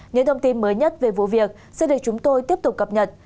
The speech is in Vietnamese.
những thông tin mới nhất về vụ việc sẽ được chúng tôi tiếp tục cập nhật